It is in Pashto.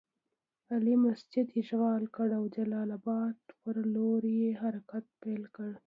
علي مسجد اشغال کړ او جلال اباد پر لور یې حرکت پیل کړ.